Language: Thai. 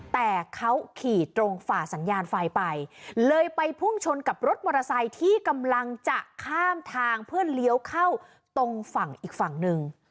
แต่เขาขี่ตรงฝ่าสัญญาณไฟไปเลยไปพุ่งชนกับรถมอเตอร์ไซค์ที่กำลังจะข้ามทางเพื่อเลี้ยวเข้าตรงฝั่งอีกฝั่งหนึ่ง